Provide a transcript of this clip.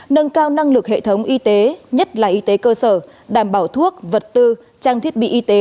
nâng cao năng lực hệ thống y tế nhất là y tế cơ sở đảm bảo thuốc vật tư trang thiết bị y tế